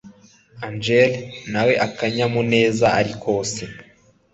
angella nawe akanyamuneza arikose